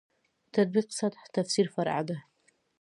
تطبیق سطح تفسیر فرع ده.